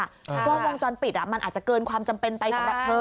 กล้องวงจรปิดมันอาจจะเกินความจำเป็นไปสำหรับเธอ